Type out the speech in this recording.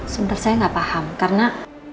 sebenernya saya ga paham karena